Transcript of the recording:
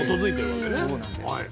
そうなんです。